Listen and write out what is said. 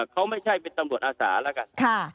เขาไม่ใช่เป็นตำรวจอาสาแล้วกัน